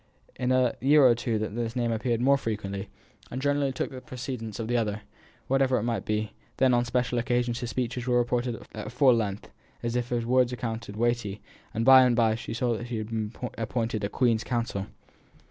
In a year or two that name appeared more frequently, and generally took the precedence of the other, whatever it might be; then on special occasions his speeches were reported at full length, as if his words were accounted weighty; and by and by she saw that he had been appointed a Queen's counsel.